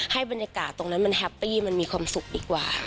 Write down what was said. บรรยากาศตรงนั้นมันแฮปปี้มันมีความสุขดีกว่า